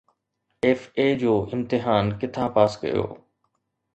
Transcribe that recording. FA جو امتحان ڪٿان پاس ڪيو؟